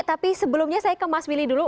tapi sebelumnya saya ke mas willy dulu